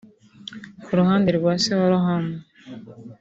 Ku ruhande rwa se wa Lohan